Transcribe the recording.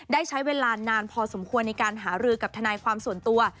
ได้ใช้เวลานานพอสมควรในการหารือกับทนายความส่วนตัว